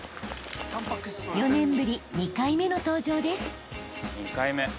［４年ぶり２回目の登場です］